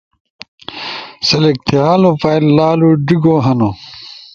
سلیکٹ تھیالو فائل لالو ڙیگو ہنو